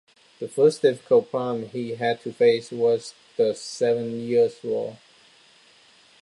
The first difficult problem he had to face was the Seven Years' War.